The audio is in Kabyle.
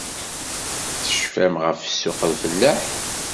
Tecfam ɣef ssuq-lfellaḥ?